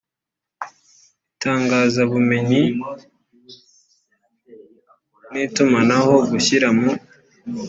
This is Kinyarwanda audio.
itangazabumenyi n itumanaho gushyira mu